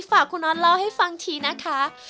ฝากคุณอนรอให้ฟังทีนะคะ